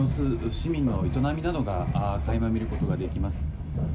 市民の営みなどが垣間見ることができます。